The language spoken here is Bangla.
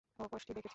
ও কোষ্ঠী দেখেছি।